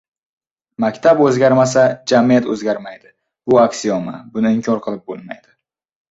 “Maktab o‘zgarmasa, jamiyat o‘zgarmaydi. Bu – aksioma. Buni inkor qilib bo‘lmaydi”.